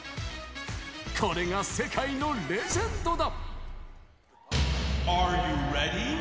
これが世界のレジェンドだ。